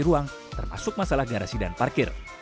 ruang termasuk masalah garasi dan parkir